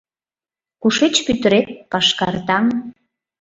— Кушеч пӱтырет, Пашкар таҥ?